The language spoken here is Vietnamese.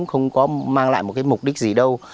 không có mang lại một cái mục đích gì đâu